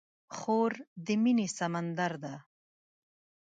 خور د مینې سمندر ده.